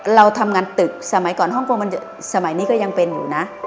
เราทำงานตึกสมัยก่อนสมัยนี้ก็ยังเป็นอยู่